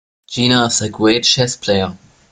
Gina is a great chess player.